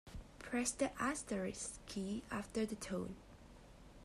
Press the asterisk key after the tone.